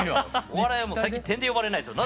お笑いはもう最近てんで呼ばれないですよ。